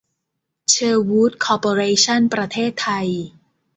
เชอร์วู้ด คอร์ปอเรชั่น ประเทศไทย